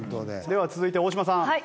では続いて大島さん。